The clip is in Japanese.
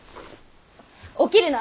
起きるな！